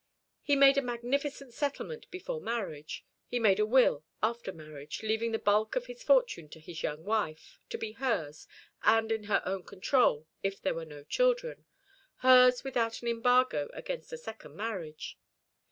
He made a magnificent settlement before marriage; he made a will after marriage, leaving the bulk of his fortune to his young wife, to be hers, and in her own control, if there were no children hers without an embargo against a second marriage.